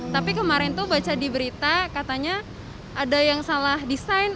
tapi kemarin tuh baca di berita katanya ada yang salah desain